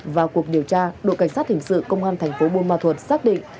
vào cuộc điều tra đội cảnh sát hình sự công an thành phố buôn ma thuột xác định